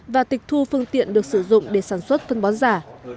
và tịch thu phương tiện được sử dụng để sản xuất phân bón giả